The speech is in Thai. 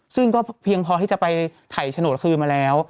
ซึ่งก็เพียงพอที่จะไปถ่ายโฉนดคืนมาแล้ว